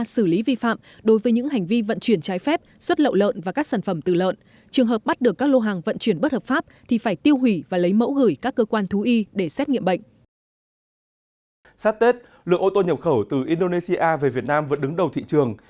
sát tết lượng ô tô nhập khẩu từ indonesia về việt nam vẫn đứng đầu thị trường